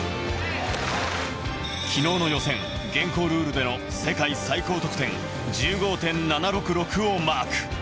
昨日の予選、現行ルールでの世界最高得点１５．７６６をマーク。